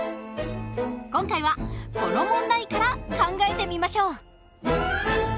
今回はこの問題から考えてみましょう。